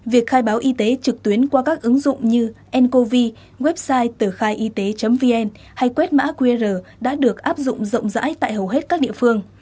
việc khai báo y tế trực tuyến qua các ứng dụng như ncov website tờ khai y tế vn hay quét mã qr đã được áp dụng rộng rãi tại hầu hết các địa phương